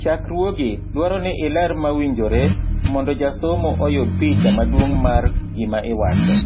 chakruogi dwaro ni iler mawinjore mondo jasomo oyud picha maduong' mar gima iwacho.